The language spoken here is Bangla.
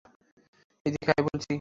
এদিকে আয় বলছি।